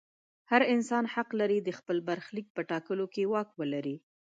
هر انسان حق لري د خپل برخلیک په ټاکلو کې واک ولري.